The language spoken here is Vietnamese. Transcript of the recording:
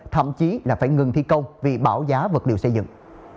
thậm chí là phải ngừng thi công vì bảng giá vật liệu xây dựng